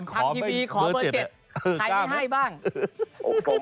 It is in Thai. ใครไม่ให้บ้าง